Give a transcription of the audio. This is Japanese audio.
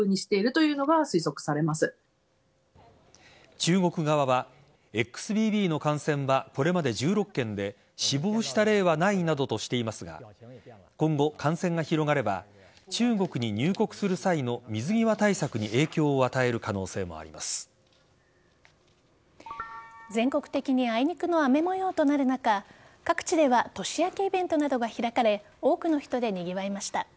中国側はＸＢＢの感染はこれまで１６件で死亡した例はないなどとしていますが今後、感染が広がれば中国に入国する際の水際対策に全国的にあいにくの雨模様となる中各地では年明けイベントなどが開かれ多くの人でにぎわいました。